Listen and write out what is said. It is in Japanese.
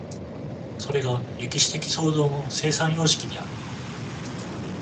それが歴史的創造の生産様式である。